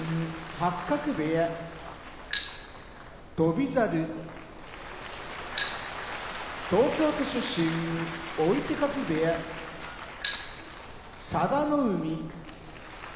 八角部屋翔猿東京都出身追手風部屋佐田の海